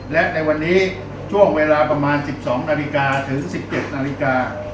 และในวันนี้ช่วงเวลาประมาณ๑๒นาฬิกาถึง๑๗นาฬิกา